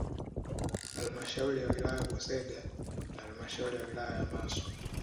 Halmashauri ya wilaya ya Busega na halmashauri ya wilaya ya Maswa